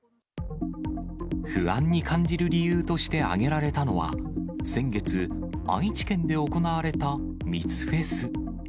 不安に感じる理由として挙げられたのは、先月、愛知県で行われた密フェス。